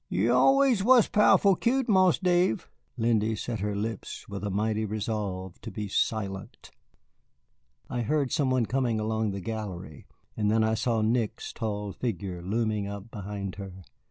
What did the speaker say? "Yo' er allus was powe'rful cute, Marse Dave." Lindy set her lips with a mighty resolve to be silent. I heard some one coming along the gallery, and then I saw Nick's tall figure looming up behind her.